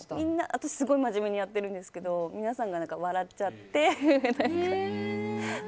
私はすごい真面目にやってるんですけど皆さんが笑っちゃって。